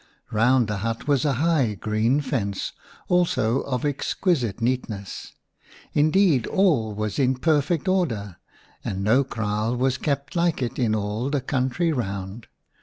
Eound the hut was a high green fence, also of exquisite neatness ; indeed all was in perfect order, and no kraal was kept like it in all the country round.